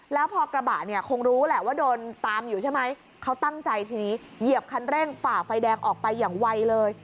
แล้วพอกระบะเนี่ยคงรู้แหละว่าโดนตามอยู่ใช่ไหมเขาตั้งใจทีนี้เหยียบคันเร่งฝ่าไฟแดงออกไปอย่างไวเลย